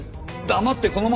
黙ってこのまま。